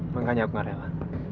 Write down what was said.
makanya aku gak rela